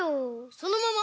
そのまま！